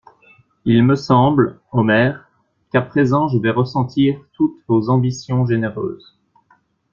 Il me semble, Omer, qu'à présent je vais ressentir toutes vos ambitions généreuses.